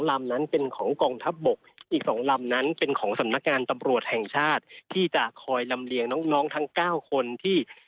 ลำนั้นเป็นของกองทัพบกอีก๒ลำนั้นเป็นของสำนักงานตำรวจแห่งชาติที่จะคอยลำเลียงน้องน้องทั้ง๙คนที่